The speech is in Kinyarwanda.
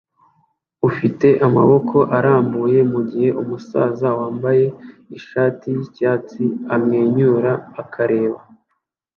ufite amaboko arambuye mugihe umusaza wambaye ishati yicyatsi amwenyura akareba